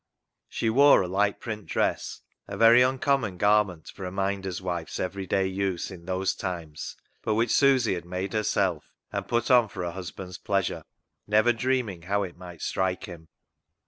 She wore a light print dress, a very uncom 176 CLOG SHOP CHRONICLES mon garment for a minder's wife's everyday use in those times, but which Susy had made herself and put on for her husband's pleasure, never dreaming how it might strike him.